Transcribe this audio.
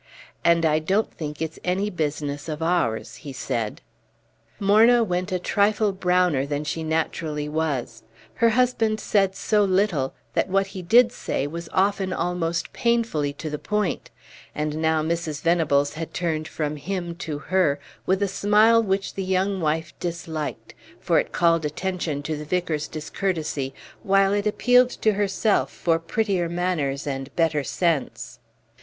"And I don't think it's any business of ours," he said. Morna went a trifle browner than she naturally was; her husband said so little that what he did say was often almost painfully to the point; and now Mrs. Venables had turned from him to her, with a smile which the young wife disliked, for it called attention to the vicar's discourtesy while it appealed to herself for prettier manners and better sense.